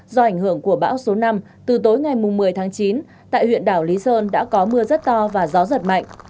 do ảnh hưởng của bão số năm từ tối ngày một mươi tháng chín tại huyện đảo lý sơn đã có mưa rất to và gió giật mạnh